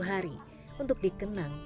terima kasih dong